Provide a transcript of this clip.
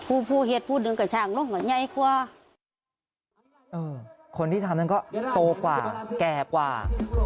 อือคนที่ทำนั้นก็โตกว่าแก่กว่า